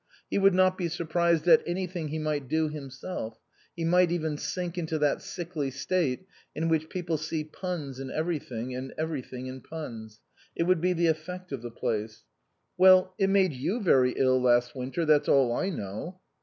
He would not be surprised at anything he might do himself ; he might even sink into that sickly state in which people see puns in everything and everything in puns ; it would be the effect of the place. 21 THE COSMOPOLITAN "Well, it made you very ill last winter, that's all I know."